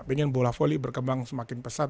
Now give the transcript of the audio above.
pengen bola voli berkembang semakin pesat